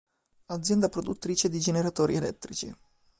Azienda produttrice di generatori elettrici.